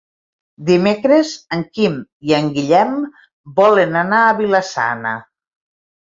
Dimecres en Quim i en Guillem volen anar a Vila-sana.